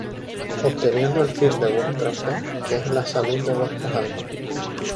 Obteniendo el fin de vuestra fe, que es la salud de vuestras almas.